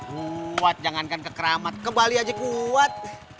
kuat jangankan ke keramat ke bali aja kuat